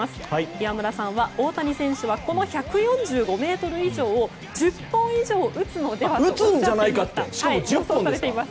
岩村さんはこの大谷選手がこの１４５ｍ以上を１０本以上打つのではとおっしゃっています。